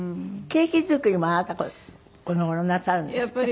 ケーキ作りもあなたこの頃なさるんですって？